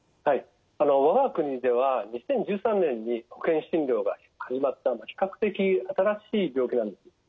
我が国では２０１３年に保険診療が始まった比較的新しい病気なんです。